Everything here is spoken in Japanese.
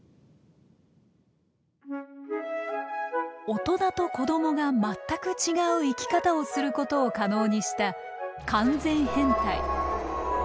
大人と子供が全く違う生き方をすることを可能にした完全変態。